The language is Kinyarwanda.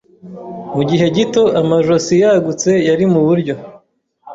Mugihe gito, amajosi yagutse yari muburyo.